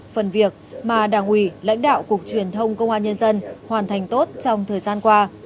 phần việc mà đảng ủy lãnh đạo cục truyền thông công an nhân dân hoàn thành tốt trong thời gian qua